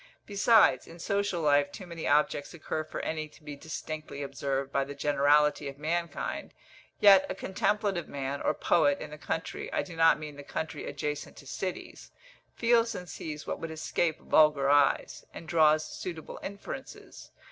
Besides, in social life too many objects occur for any to be distinctly observed by the generality of mankind; yet a contemplative man, or poet, in the country I do not mean the country adjacent to cities feels and sees what would escape vulgar eyes, and draws suitable inferences.